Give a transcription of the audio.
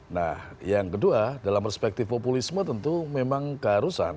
nah yang kedua dalam perspektif populisme tentu memang keharusan